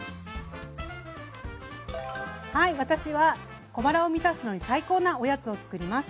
はい私は小腹を満たすのに最高なおやつをつくります。